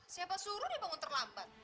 siapa suruh dia bangun terlambat